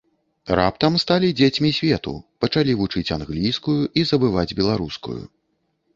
Раптам сталі дзецьмі свету, пачалі вучыць англійскую і забываць беларускую.